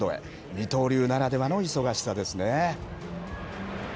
二刀流ならではの忙しさですね。